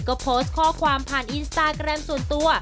ก็โพสต์ข้อความผ่านอินสตาแกรมส่วนตัว